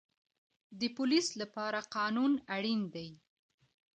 د پولیس لپاره قانون اړین دی